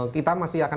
kita masih akan